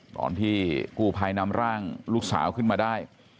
ตอนที่กู้ภัยนำร่างลูกสาวขึ้นมาได้